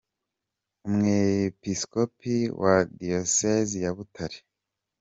Umwepiskopi wa Diyosezi ya Butare